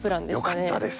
よかったです。